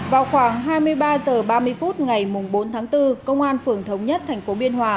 vào khoảng hai mươi ba h ba mươi phút ngày bốn tháng bốn công an phường thống nhất tp biên hòa